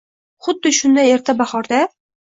Xuddi shunday erta bahorda